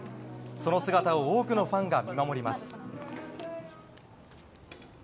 その姿を多くのファンが見守ります。